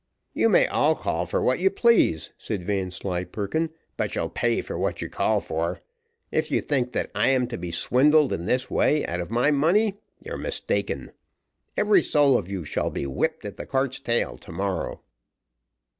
"You may all call for what you please," said Vanslyperken, "but you'll pay for what you call for. If you think that I am to be swindled in this way out of my money, you're mistaken. Every soul of you shall be whipped at the cart's tail to morrow."